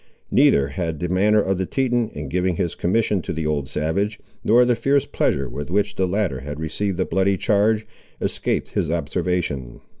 Neither had the manner of the Teton, in giving his commission to the old savage, nor the fierce pleasure with which the latter had received the bloody charge, escaped his observation.